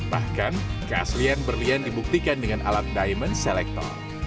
bahkan keaslian berlian dibuktikan dengan alat diamond selector